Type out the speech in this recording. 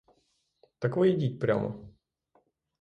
Так ви ідіть прямо.